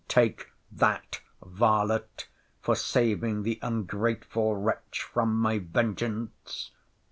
— Take that, varlet, for saving the ungrateful wretch from my vengeance.